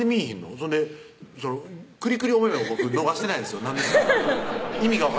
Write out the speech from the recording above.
そんでクリクリお目々を僕逃してないですよ何ですか？